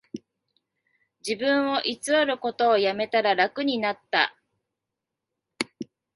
自分を偽ることをやめたら楽になった